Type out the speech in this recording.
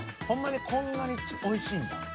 ほんまにこんなにおいしいんだ。